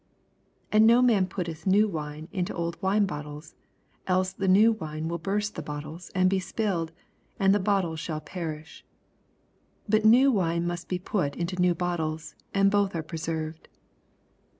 87 And no man pntteth new wine into old bottles ; else the new wine will harst the bottles, and be spUled, and the bottles shall perish. 88 But new wine mast bd pat into new bottles ; and both are preserved.